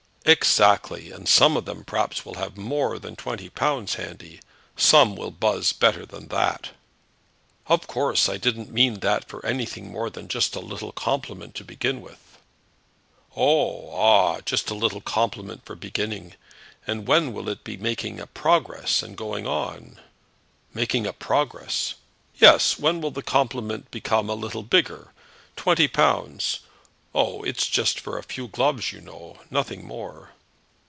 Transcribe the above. "Exactly; and some of them perhaps will have more than twenty pounds handy. Some will buzz better than that." "Of course I didn't mean that for anything more than just a little compliment to begin with." "Oh, ah; just a little compliment for beginning. And when will it be making a progress and going on?" "Making a progress!" "Yes; when will the compliment become a little bigger? Twenty pounds! Oh! it's just for a few gloves, you know; nothing more."